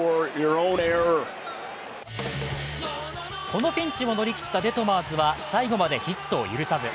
このピンチを乗り切ったデトマーズは最後までヒットを許さず。